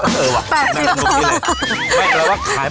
ขอบคุณครับ